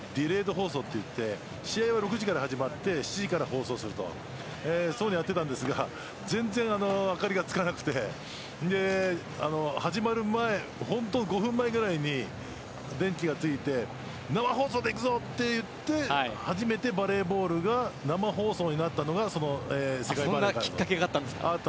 放送で試合は６時から始まって７時から放送するとやっていたんですが全然明かりがつかなくて始まる５分前ぐらいに電気がついて生放送でいくぞっていって初めてバレーボールが生放送になったのがその世界バレーなんです。